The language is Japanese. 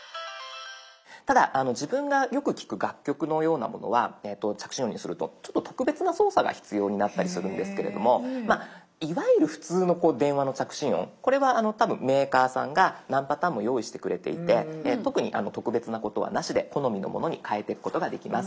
ただ自分がよく聞く楽曲のようなものは着信音にするとちょっと特別な操作が必要になったりするんですけれどもいわゆる普通の電話の着信音これは多分メーカーさんが何パターンも用意してくれていて特に特別なことはなしで好みのものに変えていくことができます。